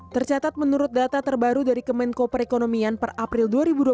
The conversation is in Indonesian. tercatat menurut data terbaru dari kemenko perekonomian per april dua ribu dua puluh